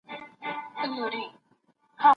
خو یو بل وصیت هم سپي دی راته کړی